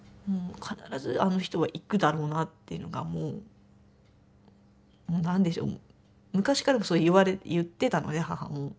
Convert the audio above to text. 必ずあの人は行くだろうなっていうのがもう何でしょう昔からそう言ってたので母も。